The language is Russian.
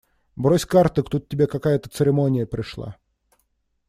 – Брось карты, тут к тебе какая-то церемония пришла!